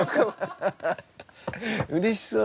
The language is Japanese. うれしそう。